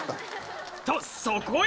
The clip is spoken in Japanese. とそこへ！